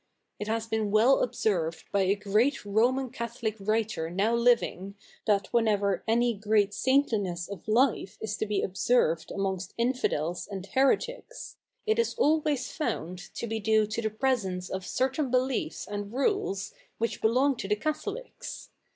It has been well observed by a great RotJian Catholic writer now living, that when ever afiy great saintliness of life is to be observed amongst infidels and heretics, it is always faimd to be due to the presence of certain beliefs and rules which belong to the Catholics.